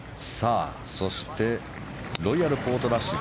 そしてロイヤルポートラッシュ